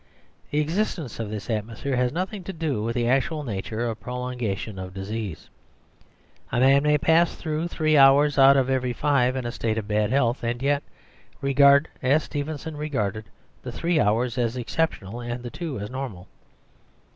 The existence of this atmosphere has nothing to do with the actual nature or prolongation of disease. A man may pass three hours out of every five in a state of bad health, and yet regard, as Stevenson regarded, the three hours as exceptional and the two as normal.